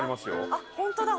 あっ本当だ！